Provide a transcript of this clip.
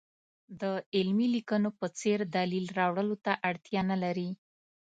د علمي لیکنو په څېر دلیل راوړلو ته اړتیا نه لري.